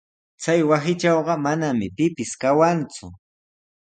Chay wasitrawqa manami pipis kawanku.